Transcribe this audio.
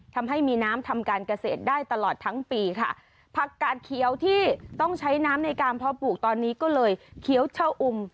ทำให้มีน้ำทำการเกษตรได้ตลอดทั้งปีค่ะผักกาดเขียวที่ต้องใช้น้ำในการเพาะปลูกตอนนี้ก็เลยเขียวเช่าอุ่ม